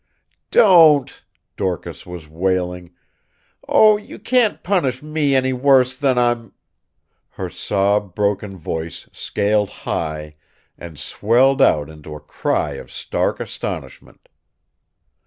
"DON'T!" Dorcas was wailing. "Oh, you can't punish me any worse than I'm " Her sob broken voice scaled high and swelled out into a cry of stark astonishment.